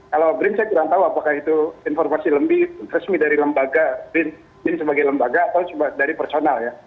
kalau brin saya kurang tahu apakah itu informasi lebih resmi dari lembaga bin sebagai lembaga atau dari personal ya